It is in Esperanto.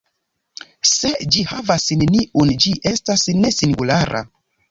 Se ĝi havas neniun, ĝi estas "ne-singulara".